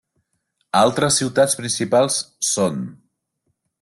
Altres ciutats principals són: